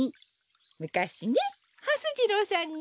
むかしねはす次郎さんに。